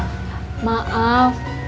jangan salah paham